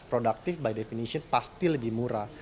productive by definition pasti lebih murah